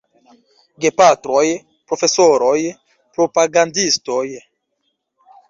Gepatroj, Profesoroj, Propagandistoj!